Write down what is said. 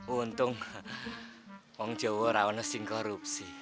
untung orang jawa rawanan sin korupsi